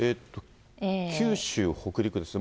九州、北陸ですね。